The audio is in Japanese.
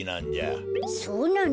そうなの。